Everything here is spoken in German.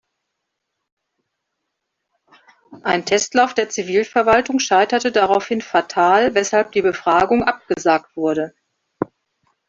Ein Testlauf der Zivilverwaltung scheiterte daraufhin fatal, weshalb die Befragung abgesagt wurde.